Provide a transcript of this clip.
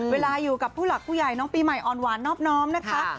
เวลาอยู่กับผู้หลักผู้ใหญ่น้องปีใหม่อ่อนหวานนอบน้อมนะคะ